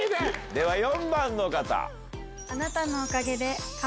では４番の方。